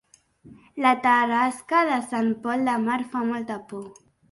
La tarasca de Sant Pol de Mar fa molta por